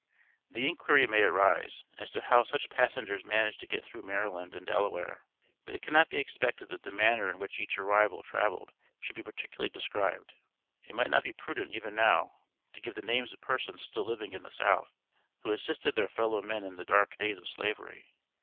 The inquiry may arise, as to how such passengers managed to get through Maryland and Delaware. But it cannot be expected that the manner in which each arrival traveled should be particularly described. It might not be prudent even now, to give the names of persons still living in the South, who assisted their fellow men in the dark days of Slavery.